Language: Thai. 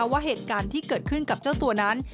ว่าเหตุการณ์ที่เกิดขึ้นกับเจ้าตัวนั้น